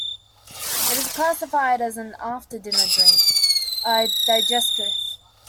It is classified as an "after-dinner" drink, a digestif.